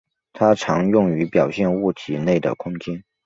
它常用于表现物体内的空间。